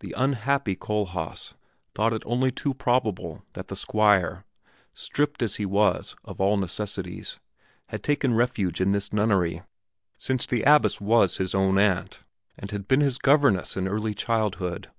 The unhappy Kohlhaas thought it only too probable that the Squire, stripped as he was of all necessities, had taken refuge in this nunnery, since the abbess was his own aunt and had been his governess in his early childhood.